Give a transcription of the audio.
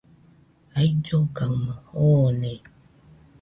Aullogaɨmo joone.